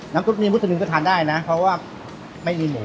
น้ำซุปนี่มุฒนมิวจะทานได้นะเพราะว่าไม่มีหมู